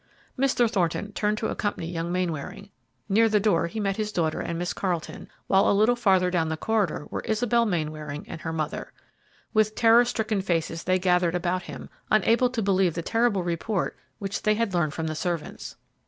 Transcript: Mr. Thornton turned to accompany young Mainwaring. Near the door he met his daughter and Miss Carleton, while a little farther down the corridor were Isabel Mainwaring and her mother. With terror stricken faces they gathered about him, unable to believe the terrible report which they had learned from the servants.